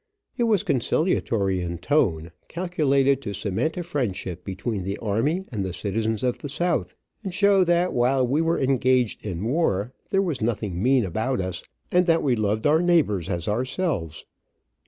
It was conciliatory in tone, calculated to cement a friendship between the army and the citizens of the south, and show that while we were engaged in war, there was nothing mean about us, and that we loved our neighbors as ourselves.